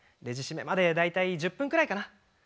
レジ締めまで大体１０分くらいかな。